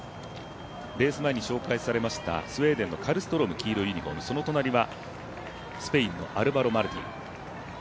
レース前に紹介されましたスウェーデンのカルストローム黄色いユニフォーム、その隣はスペインのアルバロ・マルティン。